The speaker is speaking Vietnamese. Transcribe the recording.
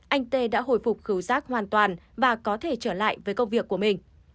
anh t đã hồi phục khiếu rác hoàn toàn và có thể trở lại với công việc của mình